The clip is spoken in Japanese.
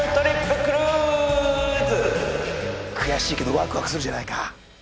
悔しいけどワクワクするじゃないか。